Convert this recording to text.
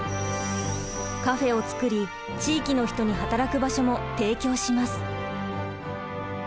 カフェを作り地域の人に働く場所も提供します。